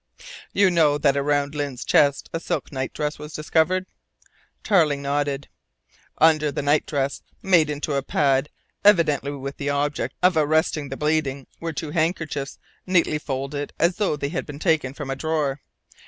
"You know that around Lyne's chest a silk night dress was discovered?" Tarling nodded. "Under the night dress, made into a pad, evidently with the object of arresting the bleeding, were two handkerchiefs, neatly folded, as though they had been taken from a drawer.